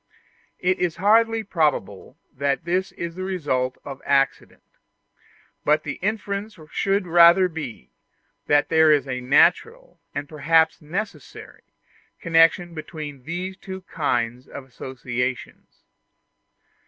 It is hardly probable that this is the result of accident; but the inference should rather be, that there is a natural, and perhaps a necessary, connection between these two kinds of associations.